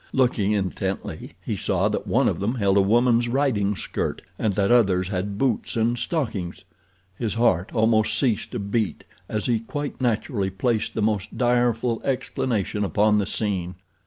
Looking intently he saw that one of them held a woman's riding skirt and that others had boots and stockings. His heart almost ceased to beat as he quite naturally placed the most direful explanation upon the scene.